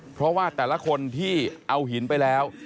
เพราะว่าแต่ละคนที่เอาหินไปแล้ว